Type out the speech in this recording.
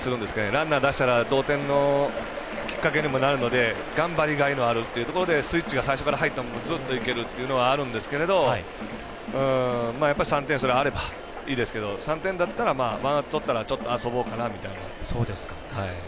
ランナー出したら同点のきっかけにもなるので頑張りがいのあるというところでスイッチが最初から入ったままずっといけるというのがあるんですけどやっぱり３点差であればいいですけど３点だったらワンアウトとったらちょっと遊ぼうかなみたいな。